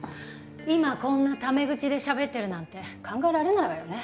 今こんなタメ口でしゃべってるなんて考えられないわよね。